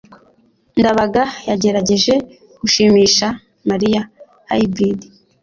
ndabaga yagerageje gushimisha mariya. (hybrid